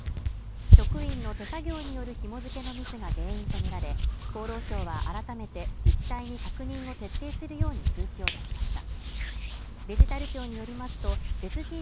職員の手作業による紐付けのミスが原因とみられ、厚労省は改めて自治体に確認を徹底するように通知を出しました。